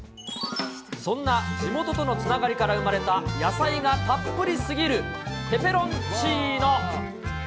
そんな地元とのつながりから生まれた野菜がたっぷりすぎるペペロンチーノ。